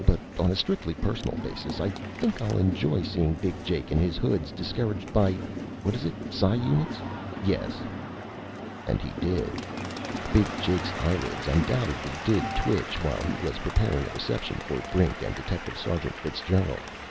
But on a strictly personal basis I think I'll enjoy seein' Big Jake an' his hoods discouraged by ... what is it Psi units? Yes!" And he did. Big Jake's eyelids undoubtedly did twitch while he was preparing a reception for Brink and Detective Sergeant Fitzgerald.